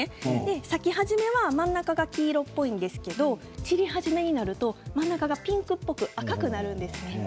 咲き始めは真ん中が黄色っぽいんですけれど散り始めになると真ん中がピンクっぽく赤くなるんですね。